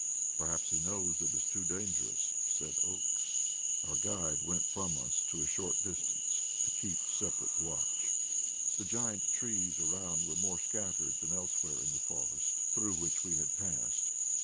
"Perhaps he knows it is too dangerous," said Oakes. Our guide went from us to a short distance, to keep separate watch. The giant trees around were more scattered than elsewhere in the forest through which we had passed.